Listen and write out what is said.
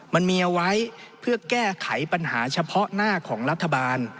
มันมีเอาไว้เพื่อแก้ไขปัญหาเฉพาะหน้าของรัฐบาล